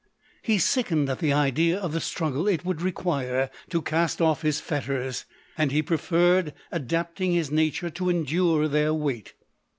He sickened at the idea of the struggle it would require to cast off his fetters, and he preferred adapting his nature to endure their weight.